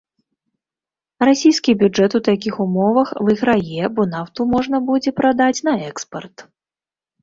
Расійскі бюджэт у такіх умовах выйграе, бо нафту можна будзе прадаць на экспарт.